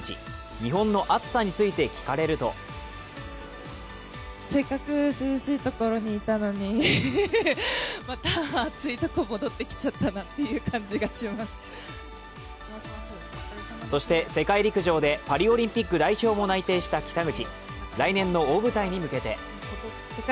日本の暑さについて聞かれるとそして世界陸上でパリオリンピック代表も内定した北口。